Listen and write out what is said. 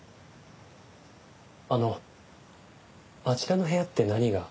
あのあちらの部屋って何が？